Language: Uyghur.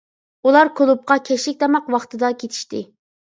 ئۇلار كۇلۇبقا كەچلىك تاماق ۋاقتىدا كېتىشتى.